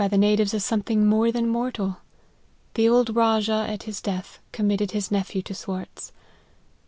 M 134 LIFE OF H\RY MARTYN. natives as something more than mortal.' The old Rajah, at his death, committed his nephew to Swartz."